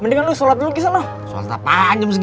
mendingan lu solat dulu kisah lu